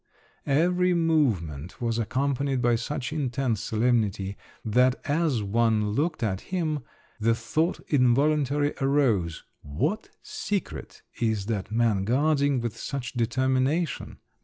Every movement was accompanied by such intense solemnity that as one looked at him the thought involuntarily arose, "What secret is that man guarding with such determination?"